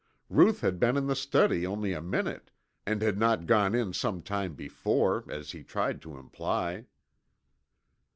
Ruth had been in the study only a minute and had not gone in some time before, as he tried to imply.